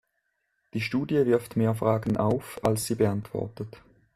Die Studie wirft mehr Fragen auf, als sie beantwortet.